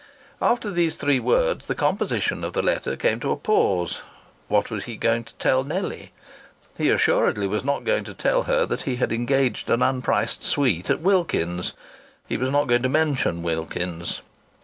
After these three words the composition of the letter came to a pause. What was he going to tell Nellie? He assuredly was not going to tell her that he had engaged an unpriced suite at Wilkins's. He was not going to mention Wilkins's.